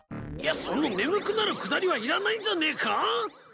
いやその眠くなるくだりはいらないんじゃねえか？